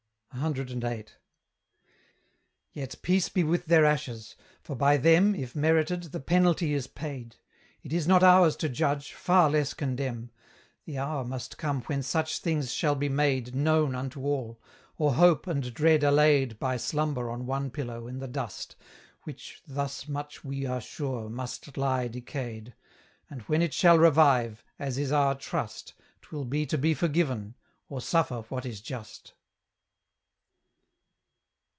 CVIII. Yet, peace be with their ashes, for by them, If merited, the penalty is paid; It is not ours to judge, far less condemn; The hour must come when such things shall be made Known unto all, or hope and dread allayed By slumber on one pillow, in the dust, Which, thus much we are sure, must lie decayed; And when it shall revive, as is our trust, 'Twill be to be forgiven, or suffer what is just.